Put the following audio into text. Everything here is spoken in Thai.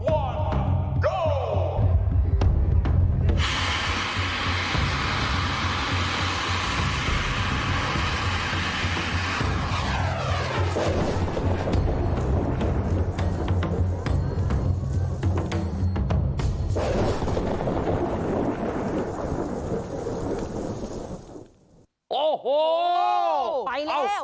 โอ้โหไปแล้ว